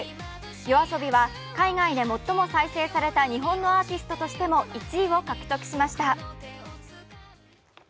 ＹＯＡＳＯＢＩは海外で最も再生された日本のアーティストとしても１位を獲得しました。